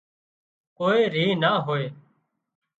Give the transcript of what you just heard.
ڪوئي ريه نا هوئي